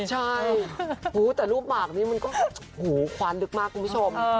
ใช่แต่รูปหมากนี้มันก็หูควานลึกมากคุณผู้ชม